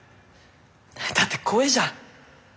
だって怖えじゃん。